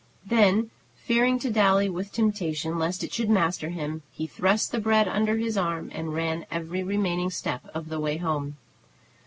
Then, fearing to dally with temptation, lest it should master him, he thrust the bread under his arm, and ran every remaining step of the way home.